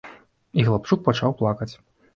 І хлапчук пачаў плакаць.